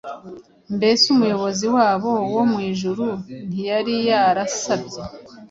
Mbese Umuyobozi wabo wo mu ijuru ntiyari yarasabye